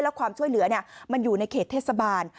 แล้วความช่วยเหลือมันอยู่ในเขตเทศบาล